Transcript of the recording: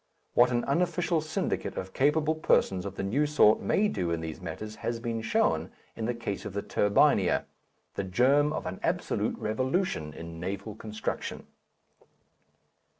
What an unofficial syndicate of capable persons of the new sort may do in these matters has been shown in the case of the Turbinia, the germ of an absolute revolution in naval construction.